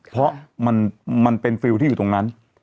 เพราะมันเป็นฟิลล์ที่อยู่ตรงนั้น